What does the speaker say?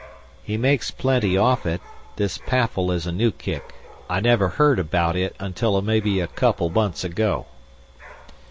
"He makes plenty off it. This PAFFL is a new kick. I never heard about it until maybe a couple months ago."